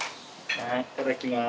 はいいただきます。